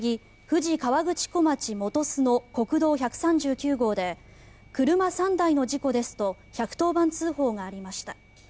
富士河口湖町本栖の国道１３９号で車３台の事故ですと１１０番通報がありました。